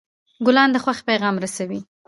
ګلان د خوښۍ پیغام رسوي.